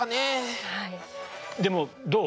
でもどう？